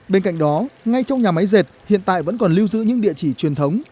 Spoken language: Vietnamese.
bên cạnh đó ngay trong nhà máy dệt hiện tại vẫn còn lưu giữ những địa chỉ truyền thống